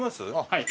はい。